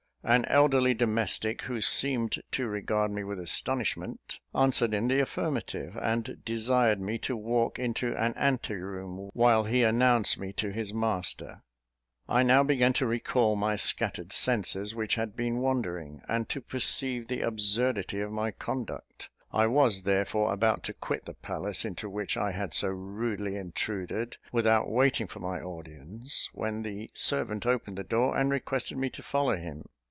An elderly domestic, who seemed to regard me with astonishment, answered in the affirmative, and desired me to walk into an ante room, while he announced me to his master. I now began to recall my scattered senses, which had been wandering, and to perceive the absurdity of my conduct; I was therefore about to quit the palace, into which I had so rudely intruded, without waiting for my audience, when the servant opened the door and requested me to follow him.